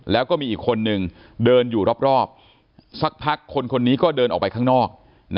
แล้วก็มีอีกคนนึงเดินอยู่รอบสักพักคนคนนี้ก็เดินออกไปข้างนอก